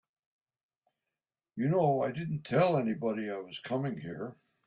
You know I didn't tell anybody I was coming here.